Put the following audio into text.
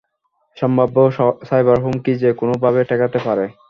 সম্ভাব্য সাইবার হুমকি যে কোনো ভাবে ঠেকাতে পারে।